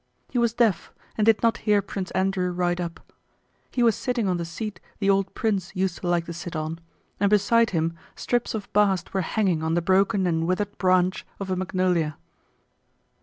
He was deaf and did not hear Prince Andrew ride up. He was sitting on the seat the old prince used to like to sit on, and beside him strips of bast were hanging on the broken and withered branch of a magnolia.